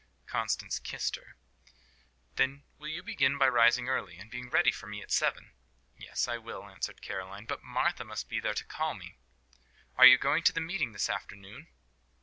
Constance kissed her. "Then will you begin by rising early, and being ready for me at seven?" "Yes, I will," answered Caroline. "But Martha must be sure to call me. Are you going to the meeting this afternoon?"